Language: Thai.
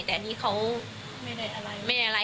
แต่อันนี้เขาไม่ได้อะไร